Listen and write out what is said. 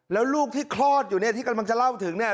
แล้วลูกที่คลอดอยู่เนี่ยที่กำลังจะเล่าถึงเนี่ย